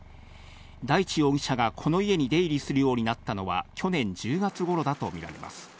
大地容疑者がこの家に出入りするようになったのは去年１０月ごろだとみられます。